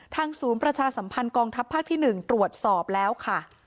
ศูนย์ประชาสัมพันธ์กองทัพภาคที่๑ตรวจสอบแล้วค่ะ